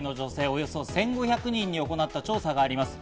およそ１５００人に行った調査があります。